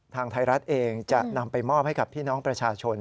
ทางไทยรัฐเองจะนำไปมอบให้กับพี่น้องประชาชน